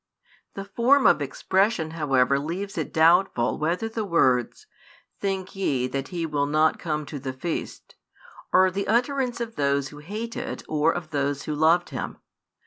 The form of expression however leaves it doubtful whether the words: Think ye that He will not come to the feast?, are the utterance of those who hated or of those who loved Him.